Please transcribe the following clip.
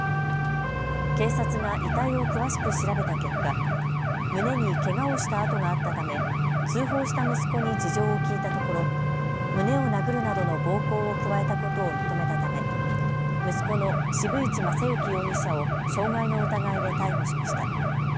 警察が遺体を詳しく調べた結果、胸にけがをした痕があったため通報した息子に事情を聞いたところ、胸を殴るなどの暴行を加えたことを認めたため息子の四分一正幸容疑者を傷害の疑いで逮捕しました。